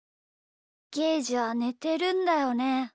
ゲージはねてるんだよね？